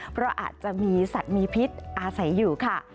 เพราะอาจจะมีสัตว์มีพิษอาศัยอยู่ค่ะ